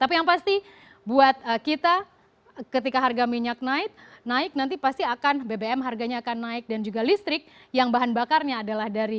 tapi yang pasti buat kita ketika harga minyak naik nanti pasti akan bbm harganya akan naik dan juga listrik yang bahan bakarnya adalah dari